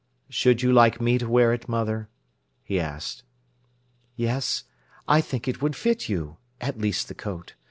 "Should you like me to wear it, mother?" he asked. "Yes. I think it would fit you—at least the coat.